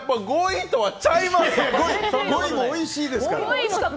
５位もおいしいですから。